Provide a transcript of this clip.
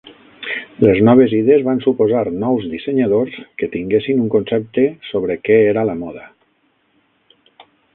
Les noves idees van suposar nous dissenyadors que tinguessin un concepte sobre què era la moda.